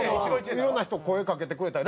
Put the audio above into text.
いろんな人声掛けてくれたり。